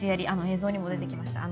映像にも出てきました。